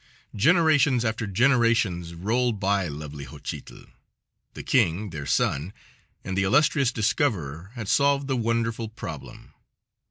Generations after generations rolled by lovely Xochitl. The king, their son, and the illustrious discoverer had solved the wonderful problem.